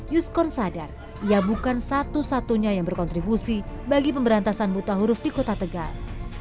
yuskon sadar ia bukan satu satunya yang berkontribusi bagi pemberantasan buta huruf di kota tegal